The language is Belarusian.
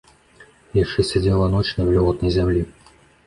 Яшчэ сядзела ноч на вільготнай зямлі.